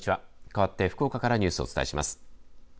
かわって福岡からニュースをお伝えします。